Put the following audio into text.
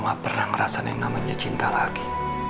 gak pernah ngerasain yang namanya cinta lagi